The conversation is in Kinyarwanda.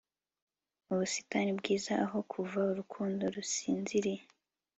Mu busitani bwiza aho kuva urukundo rusinziriye